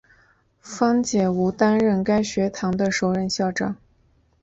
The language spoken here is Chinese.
方解吾担任该学堂的首任校长。